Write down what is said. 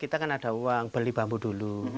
kita kan ada uang beli bambu dulu